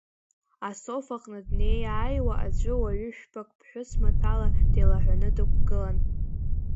Асоф аҟны днеиааиуа аӡәы уаҩы шәпак ԥҳәыс маҭәала деилаҳәаны дықәгылан.